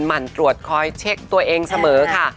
หั่นตรวจคอยเช็คตัวเองเสมอค่ะ